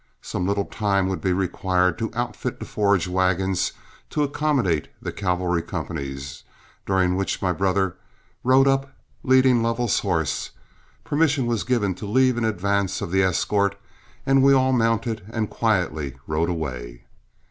Some little time would be required to outfit the forage wagons to accommodate the cavalry companies, during which my brother rode up, leading Lovell's horse, permission was given to leave in advance of the escort, and we all mounted and quietly rode away.